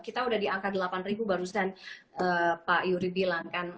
kita udah di angka delapan ribu barusan pak yuri bilang kan